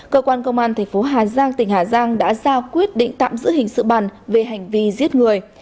cơ quan công an tp hà giang tỉnh hà giang đã ra quyết định tạm giữ hình sự bằn về hành vi giết người